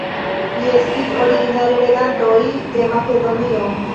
Ili estis originale regantoj de Makedonio.